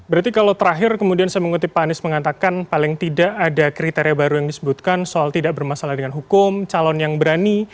berarti kalau terakhir kemudian saya mengutip pak anies mengatakan paling tidak ada kriteria baru yang disebutkan soal tidak bermasalah dengan hukum calon yang berani